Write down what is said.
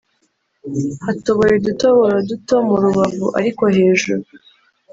hatoboye udutoboro duto mu rubavu ariko hejuru